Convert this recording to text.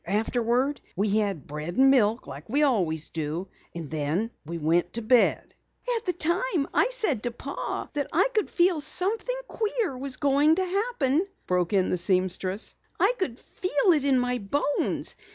Afterwards we had bread and milk like we always do, and then we went to bed." "At the time, I said to Pa that something queer was going to happen," broke in the seamstress. "I could feel it in my bones.